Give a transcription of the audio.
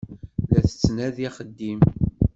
La tettnadi axeddim.